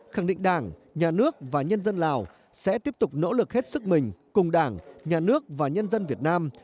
khẳng định đảng nhà nước và nhân dân lào sẽ tiếp tục nỗ lực hết sức mình cùng đảng nhà nước và nhân dân việt nam